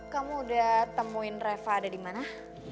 kamu udah temuin reva ada di mana